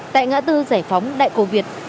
tại ngã tư giải phóng đại cầu việt